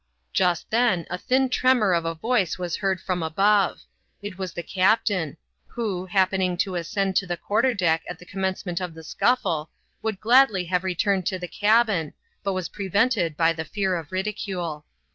.Just then a thin tremor of a voice was heard from above. It was the captain ; who, happening to ascend to the quarter deck at the commencement of the scuffle, would gladly have returned to the cabin, but was prevented by the fear of ridicule.